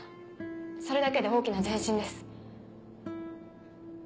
それだけで大きな前進です。